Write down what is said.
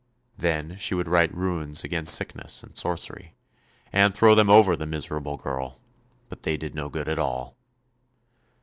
Then she would write Runes against sickness and sorcery, and throw them over the miserable girl, but they did no good at all.